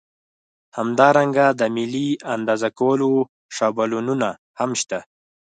همدارنګه د ملي اندازه کولو شابلونونه هم شته.